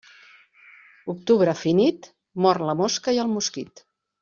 Octubre finit, mor la mosca i el mosquit.